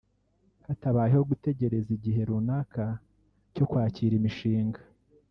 hatabayeho gutegereza igihe runaka cyo kwakira imishinga